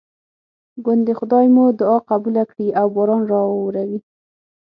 ګوندې خدای مو دعا قبوله کړي او باران راواوري.